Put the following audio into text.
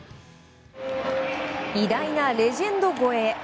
偉大なレジェンド超えへ。